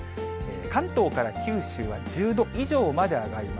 関東から九州は１０度以上まで上がります。